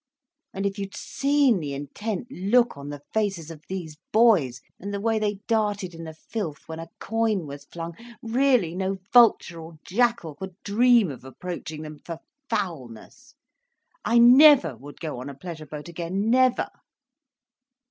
And if you'd seen the intent look on the faces of these boys, and the way they darted in the filth when a coin was flung—really, no vulture or jackal could dream of approaching them, for foulness. I never would go on a pleasure boat again—never."